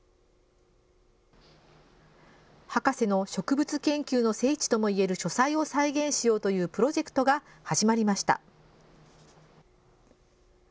博士の植物研究の聖地ともいえる書斎を再現しようというプロジェクトが始まりました。